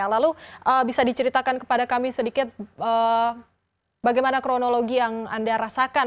lalu bisa diceritakan kepada kami sedikit bagaimana kronologi yang anda rasakan